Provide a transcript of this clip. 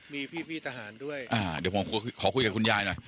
มีพี่ทหารด้วยอ่าเดี๋ยวผมขอคุยกับคุณยายหน่อย